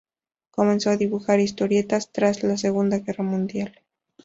Comenzó a dibujar historietas tras la Segunda Guerra Mundial.